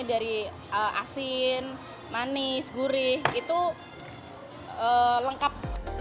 dari asin manis gurih itu lengkap